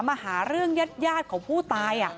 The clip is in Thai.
มาหาเรื่องญาติของผู้ตาย